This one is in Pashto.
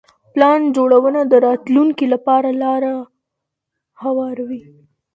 پلان جوړونه د راتلونکي لپاره لاره هواروي.